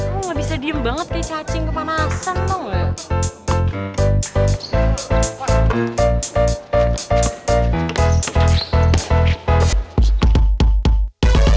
kamu gak bisa diem banget kayak cacing kepanasan tau gak